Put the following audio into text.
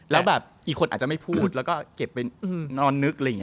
แล้วกี่คนอาจจะไม่พูดและเก็บไปนอนนึก